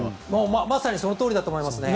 まさにそのとおりだと思います。